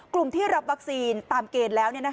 กลุ่มที่รับวัคซีนตามเกณฑ์แล้ว